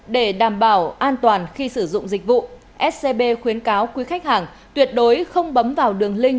để đảm bảo an toàn khi sử dụng dịch vụ scb khuyến cáo quý khách hàng tuyệt đối không bấm vào đường link